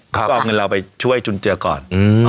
ก็เอาเงินเราไปช่วยจุนเจือก่อน